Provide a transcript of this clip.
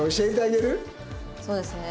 そうですね。